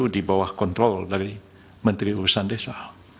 di bawah kontrol dari menteri urusan desa